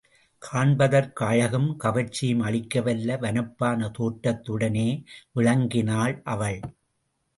காண்பதற்கு அழகும் கவர்ச்சியும் அளிக்கவல்ல வனப்பான தோற்றத்துடனே விளங்கினாள் அவள்.